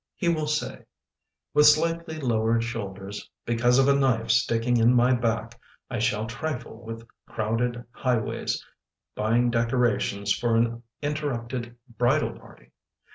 He will say: "With slightly lowered shoulders, Because of a knife sticking in my back, I shall trifle with crowded highways, Buying decorations For an interrupted bridal party.